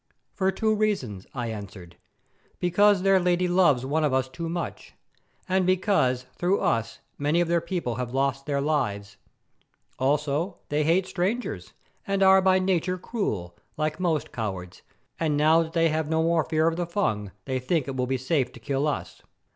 "For two reasons," I answered. "Because their Lady loves one of us too much, and because through us many of their people have lost their lives. Also they hate strangers, and are by nature cruel, like most cowards, and now that they have no more fear of the Fung, they think it will be safe to kill us."